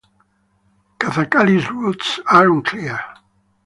Kathakali's roots are unclear.